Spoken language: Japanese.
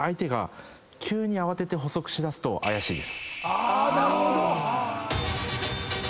あなるほど。